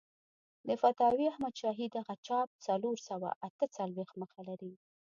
د فتاوی احمدشاهي دغه چاپ څلور سوه اته څلوېښت مخه لري.